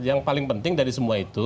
yang paling penting dari semua itu